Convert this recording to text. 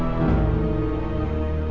tapi dia sangat peduli